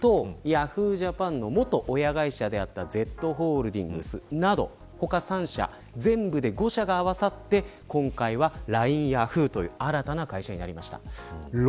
あらためてＬＩＮＥとＹａｈｏｏ！ＪＡＰＡＮの元親会社であったＺホールディングスなど他３社、全部で５社が合わさって今回はＬＩＮＥヤフーという新たな会社になりました。